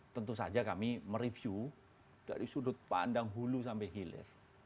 tentu saja kami mereview dari sudut pandang hulu sampai hilir